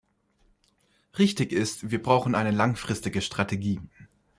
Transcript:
Richtig ist, wir brauchen eine langfristige Strategie.